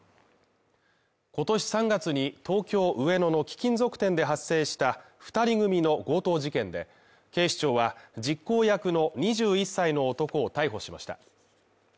今年３月に東京上野の貴金属店で発生した２人組の強盗事件で警視庁は、実行役の２１歳の男を逮捕しました。